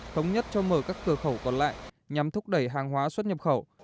thống nhất cho mở các cửa khẩu còn lại nhằm thúc đẩy hàng hóa xuất nhập khẩu